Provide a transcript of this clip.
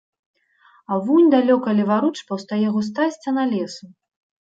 А вунь далёка леваруч паўстае густая сцяна лесу.